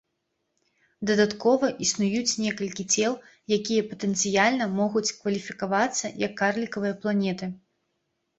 Дадаткова, існуюць некалькі цел, якія патэнцыяльна могуць кваліфікавацца як карлікавыя планеты.